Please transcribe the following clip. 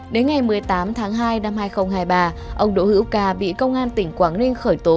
đến ngày một mươi tám tháng hai năm hai nghìn hai mươi ba ông đỗ hữu ca bị công an tỉnh quảng ninh khởi tố